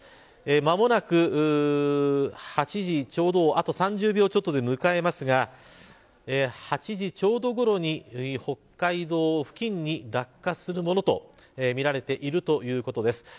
間もなく８時ちょうどを、あと３０秒ちょっとで迎えますが８時ちょうどごろに北海道付近に落下するものとみられているということです。